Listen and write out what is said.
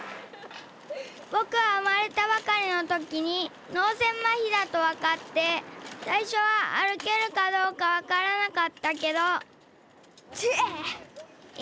ぼくはうまれたばかりのときにのうせいまひだとわかってさいしょはあるけるかどうかわからなかったけどてい！